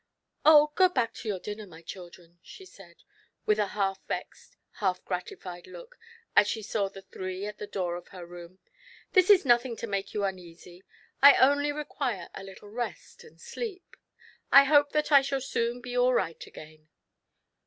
" Oh, go back to your dinner, my children," she said, with a half vexed, half gratified look, as she saw the three at the door of her room. *'This is nothing to make you uneasy; I only require a little rest and sleep. I hope that I shall soon be all right again.